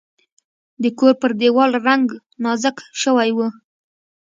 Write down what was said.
د کور پر دیوال رنګ نازک شوی و.